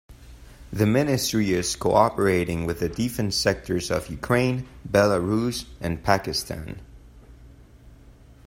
The ministry is cooperating with the defense sectors of Ukraine, Belarus and Pakistan.